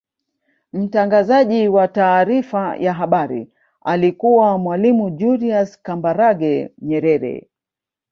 mtangazaji wa taarifa ya habari alikuwa mwalimu julius kambarage nyerere